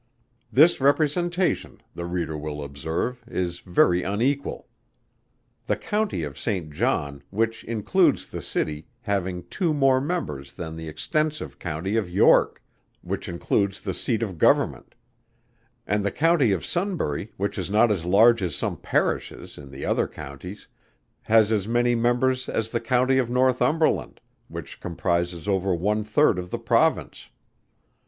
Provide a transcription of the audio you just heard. This representation, the reader will observe, is very unequal. The County of Saint John, which includes the City, having two more members than the extensive County of York, which includes the Seat of Government; and the County of Sunbury, which is not as large as some parishes in the other counties, has as many members as the County of Northumberland, which comprises over one third of the Province.